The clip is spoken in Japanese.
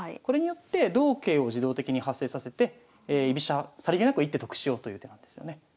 これによって同桂を自動的に発生させて居飛車さりげなく１手得しようという手なんですよね。